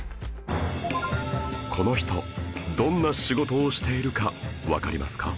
この人どんな仕事をしているかわかりますか？